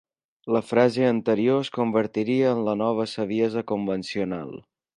La frase anterior es convertiria en la nova saviesa convencional.